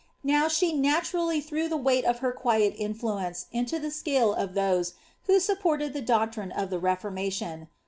Now she naturally threw the sight of her quiei influence into the scale of those who supported the ictrine of the Reformation.